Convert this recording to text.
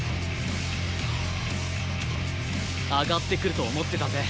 上がってくると思ってたぜ。